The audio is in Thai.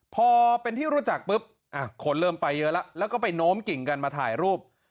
พอเป็นที่รู้จักปุ๊บคนเริ่มไปเยอะแล้วแล้วก็ไปโน้มกิ่งกันมาถ่ายรูป